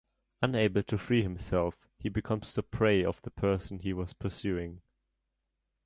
Unable to free himself, he becomes the prey of the person he was pursuing.